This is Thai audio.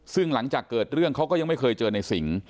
ซึ่งหลังจากเกิดเรื่องเขาก็ยังไม่เคยเจอในสิง